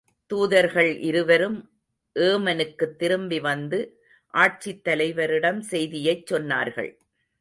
தூதர்கள் இருவரும் ஏமனுக்குத் திரும்பி வந்து, ஆட்சித் தலைவரிடம் செய்தியைச் சொன்னார்கள்.